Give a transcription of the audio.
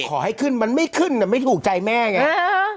ขอให้ขึ้นมันไม่ขึ้นไม่ถูกใจแม่ไง